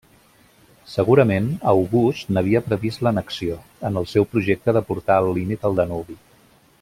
Segurament, August n'havia previst l'annexió, en el seu projecte de portar el límit al Danubi.